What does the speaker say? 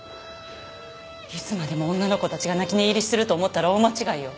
いつまでも女の子たちが泣き寝入りすると思ったら大間違いよ！